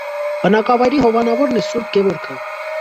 Բնակավայրի հովանավորն է սուրբ Գևորգը։